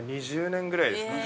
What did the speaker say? ◆２０年ぐらいですかね。